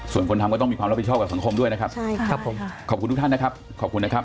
ส่วนคนทำก็ต้องมีความรับผิดชอบกับสังคมด้วยนะครับใช่ครับผมขอบคุณทุกท่านนะครับขอบคุณนะครับ